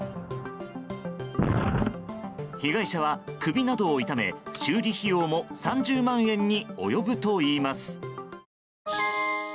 被害者は首などを痛め修理費用も３０万円に及ぶといいます。